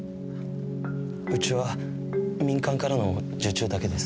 うちは民間からの受注だけです。